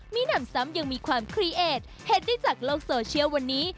มีหนำซ้ำยังมีความครีเอทเห็นได้จากโลกโซเชียลวันนี้